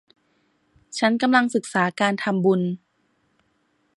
ฉันกำลังศึกษาการทำบุญ